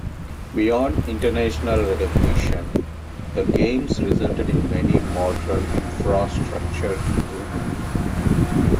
Beyond international recognition, the Games resulted in many modern infrastructure improvements.